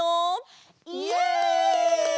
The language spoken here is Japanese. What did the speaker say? イエイ！